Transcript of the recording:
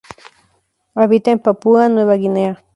Habita en Papúa Nueva Guinea.